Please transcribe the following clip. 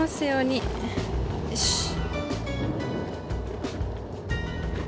よし。